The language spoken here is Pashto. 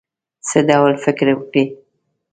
څه ډول فکر وکړی.